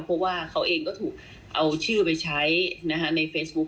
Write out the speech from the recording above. เพราะว่าเขาเองก็ถูกเอาชื่อไปใช้ในเฟซบุ๊ค